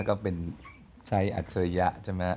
ก็เป็นชัยอัตเชยะนะฮะ